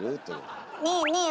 ねえねえ